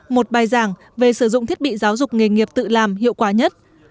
một bài giảng về sử dụng thiết bị giáo dục nghề nghiệp tự làm hiệu quả nhất